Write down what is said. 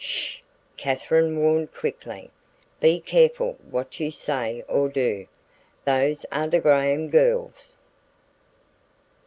"Sh!" Katherine warned quickly. "Be careful what you say or do. Those are the Graham girls."